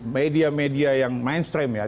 media media yang mainstream ya